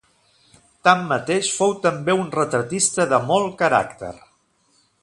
Tanmateix fou també un retratista de molt caràcter.